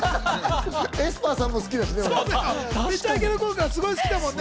エスパーさんも俺、好きだしね。